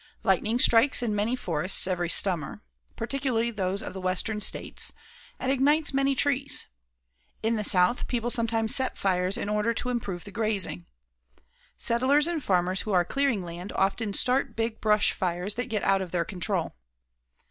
Lightning strikes in many forests every summer, particularly those of the Western States, and ignites many trees. In the South people sometimes set fires in order to improve the grazing. Settlers and farmers who are clearing land often start big brush fires that get out of their control.